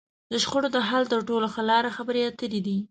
د شخړو د حل تر ټولو ښه لار؛ خبرې اترې دي.